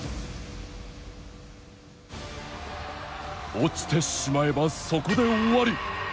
落ちてしまえば、そこで終わり。